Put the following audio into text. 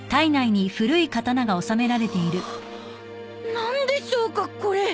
何でしょうかこれ。